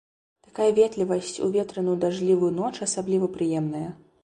Такая ветлівасць у ветраную дажджлівую ноч асабліва прыемная.